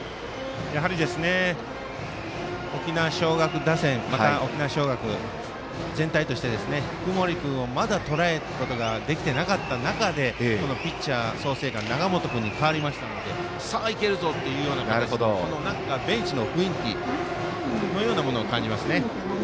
やはり沖縄尚学打線沖縄尚学全体として福盛君を、まだとらえることができていなかった中でこのピッチャー、創成館永本君に代わりましたのでさあ、いけるぞというベンチの雰囲気のようなものを感じますね。